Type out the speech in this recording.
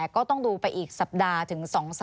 มีความรู้สึกว่ามีความรู้สึกว่า